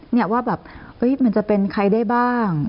เนี่ยว่าแบบมันจะเป็นใครได้บ้าง